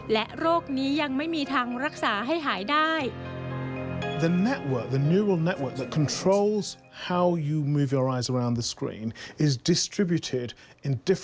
และโรคนี้ยังไม่มีทางรักษาให้หายได้